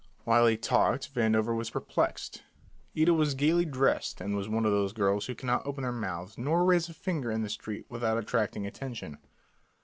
While he talked Vandover was perplexed. Ida was gayly dressed and was one of those girls who cannot open their mouths nor raise a finger in the street without attracting attention.